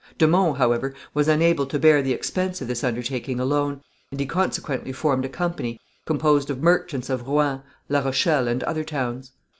De Monts, however, was unable to bear the expense of this undertaking alone, and he consequently formed a company, composed of merchants of Rouen, La Rochelle and other towns.